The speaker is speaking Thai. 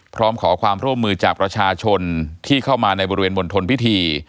พร้อมขอความร่วมมือจากประชาชนที่เข้ามาในบริเวณมณฑลพิธี